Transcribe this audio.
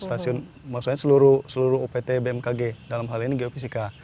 maksudnya seluruh upt bmkg dalam hal ini geopsika